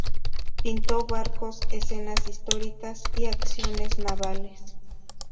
Pintó barcos, escenas históricas y acciones navales.